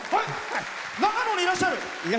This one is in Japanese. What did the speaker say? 長野にいらっしゃる？